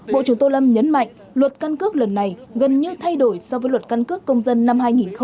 bộ trưởng tô lâm nhấn mạnh luật căn cước lần này gần như thay đổi so với luật căn cước công dân năm hai nghìn một mươi ba